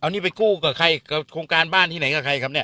นี่ไปกู้กับใครกับโครงการบ้านที่ไหนกับใครครับเนี่ย